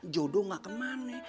jodoh gak kemana